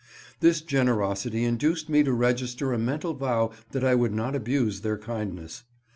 This generosity induced me to register a mental vow that I would not abuse their kindness.